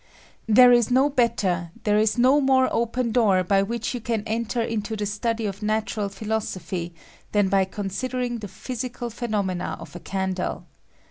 There no better, there is no more open door by which you can enter into the study of natural phi losophy than by considering the physical phe nomena of a candle.